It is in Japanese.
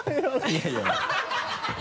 いやいや。